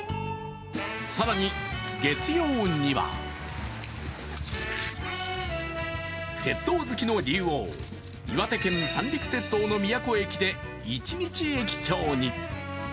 更に、月曜には鉄道好きの竜王、岩手県三陸鉄道の宮古駅で一日駅長に。